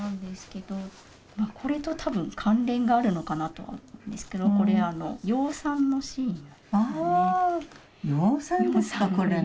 これと多分関連があるのかなと思うんですけどああ養蚕ですかこれ。